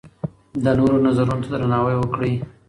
د نورو نظرونو ته درناوی وکړئ.